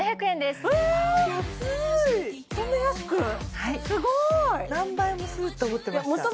すごーい何倍もするって思ってました